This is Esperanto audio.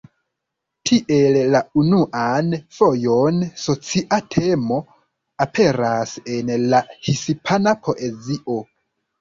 Tiel la unuan fojon socia temo aperas en la hispana poezio.